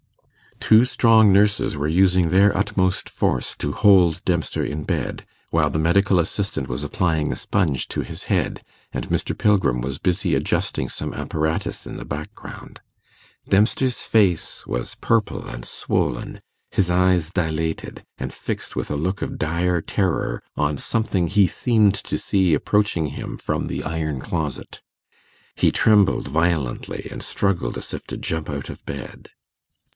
Two strong nurses were using their utmost force to hold Dempster in bed, while the medical assistant was applying a sponge to his head, and Mr. Pilgrim was busy adjusting some apparatus in the background. Dempster's face was purple and swollen, his eyes dilated, and fixed with a look of dire terror on something he seemed to see approaching him from the iron closet. He trembled violently, and struggled as if to jump out of bed.